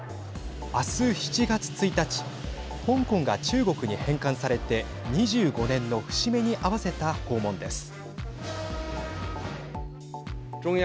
あす７月１日香港が中国に返還されて２５年の節目に合わせた訪問です。